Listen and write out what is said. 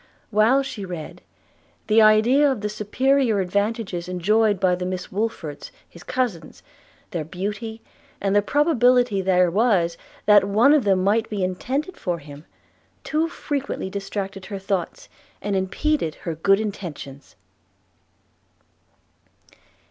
while she read, the idea of the superior advantages enjoyed by the Miss Woodfords, his cousins, their beauty, and the probability there was that one of them might be intended for him, too frequently distracted her thoughts, and impeded her good intentions.